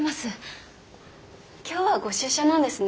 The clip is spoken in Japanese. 今日はご出社なんですね。